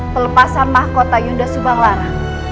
pelepasan mahkota yuda subang lara